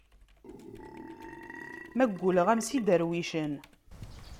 Ma gguleɣ-am s iderwicen.